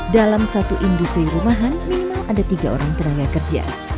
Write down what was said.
dalam satu industri rumahan minimal ada tiga orang tenaga kerja